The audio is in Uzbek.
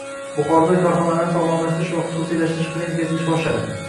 Buxoroda korxonalarni sog‘lomlashtirish va xususiylashtirish klinikasi ish boshladi